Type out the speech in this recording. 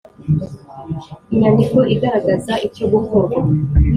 Inyandiko igaragaza icyogukorwa .